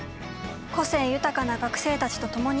個性豊かな学生たちと共に。